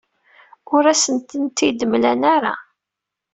Ur asen-tent-id-mlan ara.